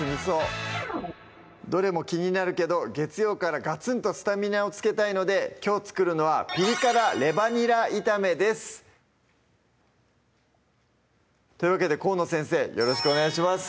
どれも気になるけど月曜からガツンとスタミナをつけたいのできょう作るのは「ピリ辛レバにら炒め」ですというわけで河野先生よろしくお願いします